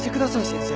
先生！